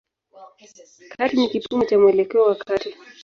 Kati ni kipimo cha mwelekeo wa kati.